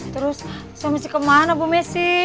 terus saya mesti kemana bu messi